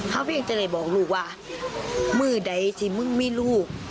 เขาก็จะเลยบอกลูกว่ามือไหนที่แม่มีลูก